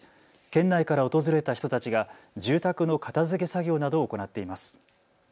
県内から訪れた人たちが住宅の片づけ作業などを行っています。